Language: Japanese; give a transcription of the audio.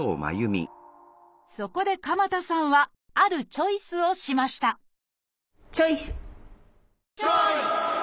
そこで鎌田さんはあるチョイスをしましたチョイス！